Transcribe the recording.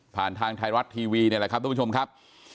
ผ่านทางไทยรัททีวีเลยเลยครับท่านผู้ชมครับ